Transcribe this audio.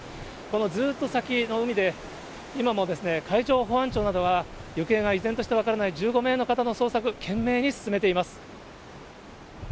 このずっと先の海で、今も海上保安庁などは、行方が依然として分からない１５名の方の捜索、懸命に進めています。